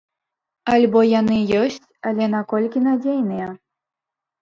Альбо яны ёсць, але наколькі надзейныя?